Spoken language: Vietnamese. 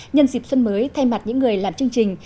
nhân dịp xuân mới thay mặt những người làm chương trình